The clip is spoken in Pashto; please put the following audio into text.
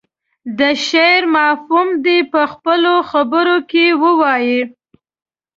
د شعر مفهوم دې په خپلو خبرو کې ووايي.